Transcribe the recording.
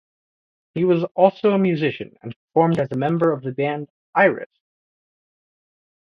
He was also a musician, and performed as a member of the band Iris.